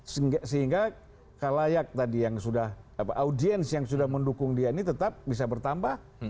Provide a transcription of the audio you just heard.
sehingga kalayak tadi yang sudah audiens yang sudah mendukung dia ini tetap bisa bertambah